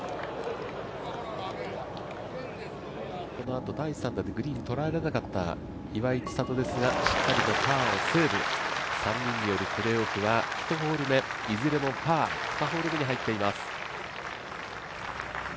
このあと第３打でグリーンとらえられなかった岩井千怜ですがしっかりとパーをセーブ、３人によるプレーオフは１ホール目、いずれもパー、２ホール目に入っています。